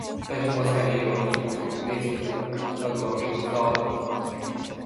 在中国菜里也有一种类似的叫做醪糟的甜品。